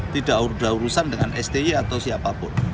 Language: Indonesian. tidak ada urusan dengan sti atau siapapun